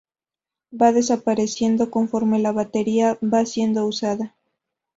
Va desapareciendo conforme la batería va siendo usada.